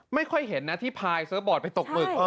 ไม่ค่อยเห็นนะที่พาเขาเซิฟบอร์ดไปถมมึก